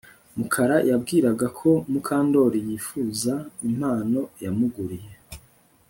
Mukara yibwiraga ko Mukandoli yifuza impano yamuguriye